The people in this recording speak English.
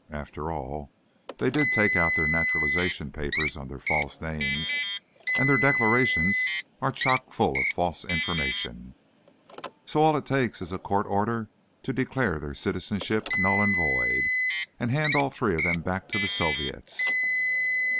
After all, they did take out their naturalization papers under false names, and their declarations are chockfull of false information. So all it takes is a court order to declare their citizenships null and void, and hand all three of them back to the Soviets."